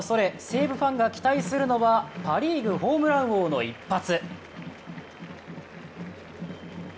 西武ファンが期待するのはパ・リーグ、ホームラン王の一発。